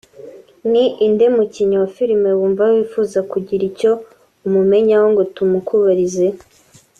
Ni inde mukinnyi wa filime wumva wifuza kugira icyo umenyaho ngo tumukubarize